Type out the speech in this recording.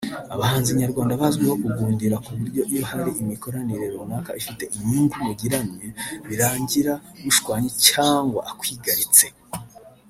Abahanzi nyarwanda bazwiho kugundira ku buryo iyo hari imikoranire runaka ifite inyungu mugiranye birangira mushwanye cyangwa akwigaritse